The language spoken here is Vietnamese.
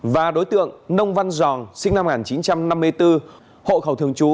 và đối tượng nông văn giòn sinh năm một nghìn chín trăm năm mươi bốn hộ khẩu thương chú